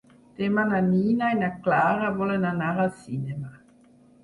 Demà na Nina i na Clara volen anar al cinema.